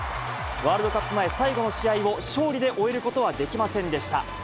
ワールドカップ前、最後の試合を勝利で終えることはできませんでした。